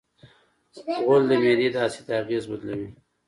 غول د معدې د اسید اغېز بدلوي.